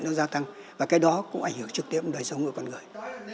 nó gia tăng và cái đó cũng ảnh hưởng trực tiếp đến đời sống của con người